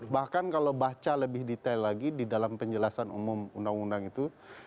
bahkan kalau baca lebih detail lagi di dalam penjelasan umum undang undang itu